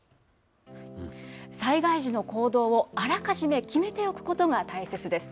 災害時の行動を、あらかじめ決めておくことが大切です。